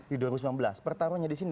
di dua ribu sembilan belas pertaruhnya disini